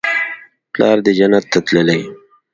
پلار دې جنت ته تللى.